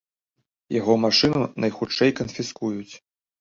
Яго машыну найхутчэй канфіскуюць.